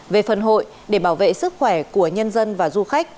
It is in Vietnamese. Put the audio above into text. về phần hội để bảo vệ sức khỏe của nhân dân và du khách